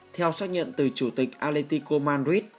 theo xác nhận từ chủ tịch atletico madrid